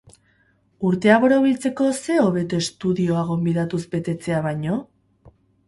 Urtea borobiltzeko zer hobeto estudioa gonbidatuz betetzea baino?